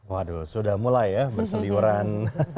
waduh sudah mulai ya berseliuran